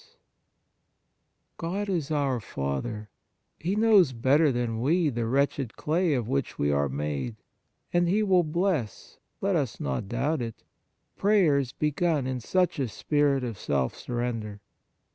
39 On the Exercises of Piety God is our Father ; He knows better than we the wretched clay of which we are made, and He will bless let us not doubt it prayers begun in such a spirit of self surrender.